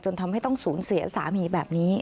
ทำให้ต้องสูญเสียสามีแบบนี้